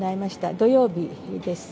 土曜日です。